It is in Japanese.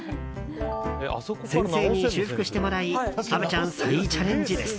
先生に修復してもらい虻ちゃん、再チャレンジです。